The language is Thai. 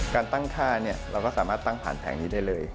การตั้งค่าเราก็สามารถตั้งผ่านแผงนี้ได้เลย